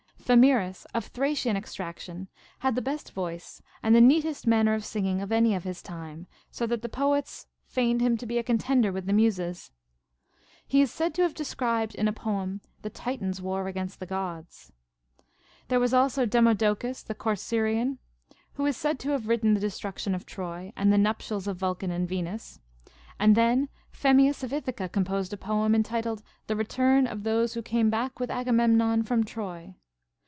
Thamyras, of Thracian extraction, had the best voice and the neatest manner of singing of any of his time ; so that the poets feigned him to be a contender with the Muses. He is said to have described in a poem the Titans' Avar against the Gods. There was also Demodocus the Corcyraean, who is said to have written the Destruction of Troy, and the Nup tials of Vulcan and Venus ; and then Phemius of Ithaca composed a poem, entitled The Return of those who came back Avith Agamemnon from Troy.